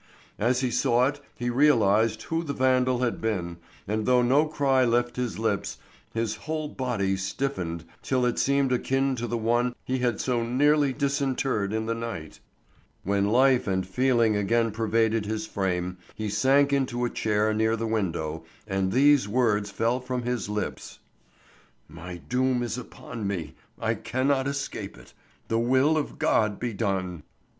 As he saw it he realized who the vandal had been, and though no cry left his lips, his whole body stiffened till it seemed akin to the one he had so nearly disinterred in the night. When life and feeling again pervaded his frame he sank into a chair near the window and these words fell from his lips: "My doom is upon me. I cannot escape it. The will of God be done."